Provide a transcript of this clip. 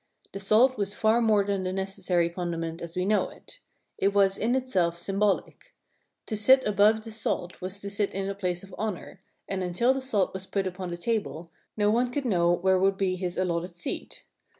The salt was far more than the necessary condiment as we know it. It was in itself symbolic. To sit above the salt was to sit in a place of honor, and until the salt was put upon the table no one could know where would be his allotted seat.